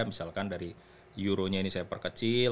misalkan dari euro nya ini saya perkecil